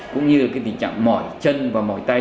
cũng như cái tình trạng mỏi chân và mỏi tay